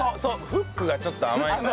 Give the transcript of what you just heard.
フックがちょっと甘いんだよね。